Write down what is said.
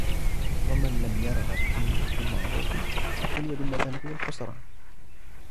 وَمِنْ لَمْ يَرْغَبْ فِي الْمَعْرُوفِ بُلِيَ بِالنَّدَامَةِ وَالْخُسْرَانِ